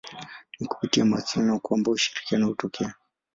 Ni kupitia mawasiliano kwamba ushirikiano hutokea.